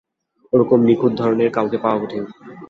ওরকম নিখুঁত ধরনের কাউকে পাওয়া কঠিন।